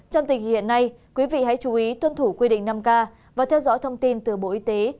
trong tình hiện nay quý vị hãy chú ý tuân thủ quy định năm k và theo dõi thông tin từ bộ y tế